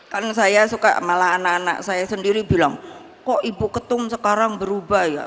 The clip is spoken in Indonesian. kan saya suka malah anak anak saya sendiri bilang kok ibu ketum sekarang berubah ya